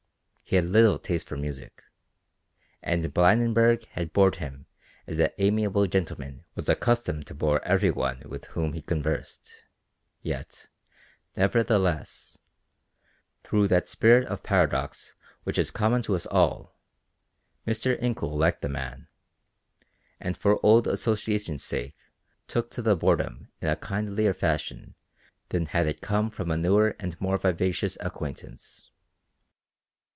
He had little taste for music, and Blydenburg had bored him as that amiable gentleman was accustomed to bore every one with whom he conversed, yet, nevertheless, through that spirit of paradox which is common to us all, Mr. Incoul liked the man, and for old association's sake took to the boredom in a kindlier fashion than had it come from a newer and more vivacious acquaintance.